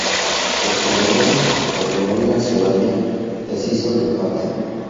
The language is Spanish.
El televoto, favorable a Soraya, deshizo el empate.